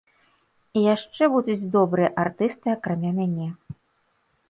І яшчэ будуць добрыя артысты акрамя мяне.